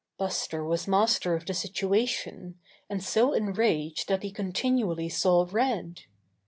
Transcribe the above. Buster was mas ter of the situation, and so enraged that he continually saw red.